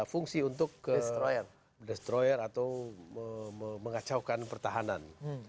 fungsi untuk destroyer atau mengacaukan pertahanan